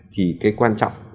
thì cái quan trọng